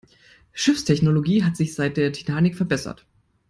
Schiffstechnologie hat sich seit der Titanic verbessert.